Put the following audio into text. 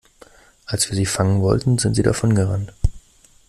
Als wir sie fangen wollten, sind sie davongerannt.